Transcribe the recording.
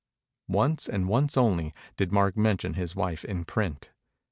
Once and once only did Mark mention his wife in print.